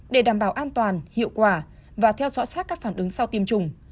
để đảm bảo an toàn hiệu quả và theo dõi sát các phản ứng sau tiêm chủng